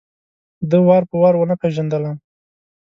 ده وار په وار ونه پېژندلم.